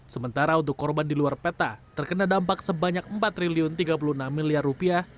sementara untuk korban di luar peta terkena dampak sebanyak empat tiga puluh enam miliar rupiah